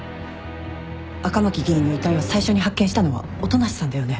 赤巻議員の遺体を最初に発見したのは音無さんだよね？